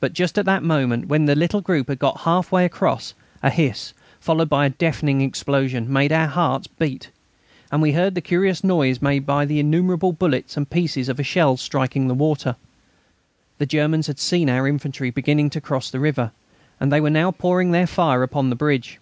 But just at the moment when the little group had got half way across, a hiss, followed by a deafening explosion, made our hearts beat, and we heard the curious noise made by innumerable bullets and pieces of shell striking the water. The Germans had seen our infantry beginning to cross the river, and they were now pouring their fire upon the bridge.